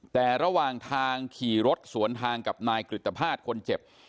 แต่ระหว่างทางขี่รถสวนทางกับนายกฤตภาษณ์คนเจ็บ